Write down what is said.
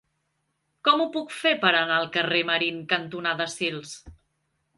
Com ho puc fer per anar al carrer Marín cantonada Sils?